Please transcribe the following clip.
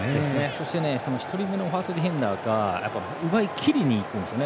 そして、１人目のファーストディフェンダーが奪い切りにいくんですね。